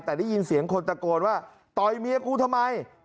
แต่ได้ยินเสียงคนตะโกนว่าต่อยเมียกูทำไม